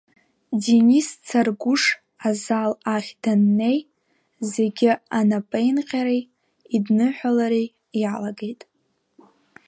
Денис Царгәыш азал ахь даннеи зегьы анапеинҟьареи идныҳәалареи иалагеит.